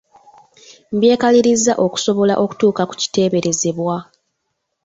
Mbyekaliriza okusobola okutuuka ku kiteeberezebwa.